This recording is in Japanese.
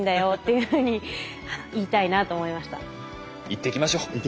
言っていきましょう。